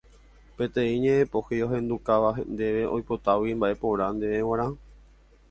Peteĩ ñe'ẽpohýi ohendukáva ndéve oipotágui mba'e porã ndéve g̃uarã